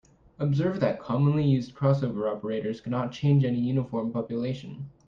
Observe that commonly used crossover operators cannot change any uniform population.